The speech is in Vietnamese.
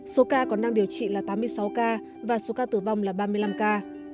số ca còn đang điều trị là tám mươi sáu ca và số ca tử vong là ba mươi năm ca